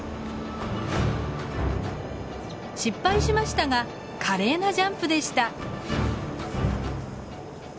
失敗しましたが華麗なジャンプでした。